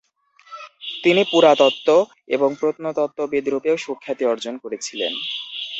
তিনি পুরাতত্ত্ব এবং প্রত্নতত্ত্ববিদ রূপেও সুখ্যাতি অর্জন করেছিলেন।